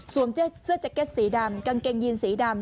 เสื้อแจ็คเก็ตสีดำกางเกงยีนสีดำ